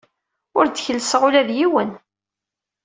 Ur d-kellseɣ ula d yiwen.